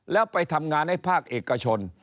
แล้วไปทำงานให้ภาคเอกชน